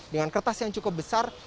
dengan kertas yang cukup besar